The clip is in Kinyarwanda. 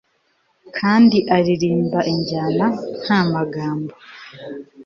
Kandi aririmba injyana nta magambo